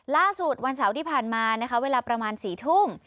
ล่าสุดวันเสาร์ที่ผ่านมานะคะเวลาประมาณ๔ทุ่ม